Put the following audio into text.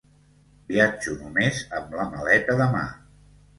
Viatjo només amb la maleta de mà.